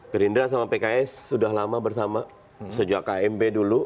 gerindra sama pks sudah lama bersama sejak kmp dulu